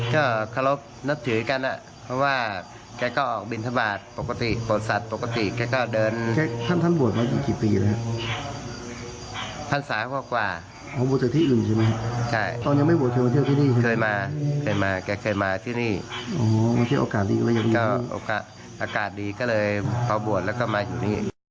ก็คลบนับถือกันเพราะว่าแกก็ออกบินทบาทปกติโปรดสัตว์ปกติแกก็เดิน